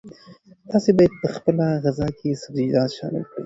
تاسي باید په خپله غذا کې سبزیجات شامل کړئ.